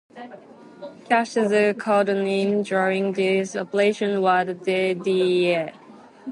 Cash's codename during these operations was "Deadeye".